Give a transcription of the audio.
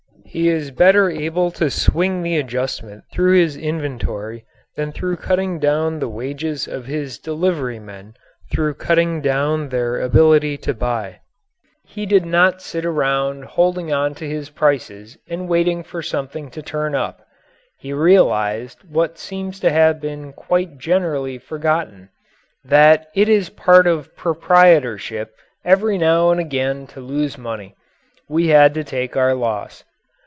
He is better able to swing the adjustment through his inventory than through cutting down the wages of his delivery men through cutting down their ability to buy. He did not sit around holding on to his prices and waiting for something to turn up. He realized what seems to have been quite generally forgotten that it is part of proprietorship every now and again to lose money. We had to take our loss.